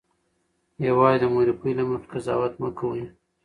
یوازې د مورفي له مخې مه قضاوت کوئ.